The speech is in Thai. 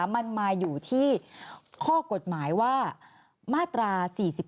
มันมาอยู่ที่ข้อกฎหมายว่ามาตรา๔๔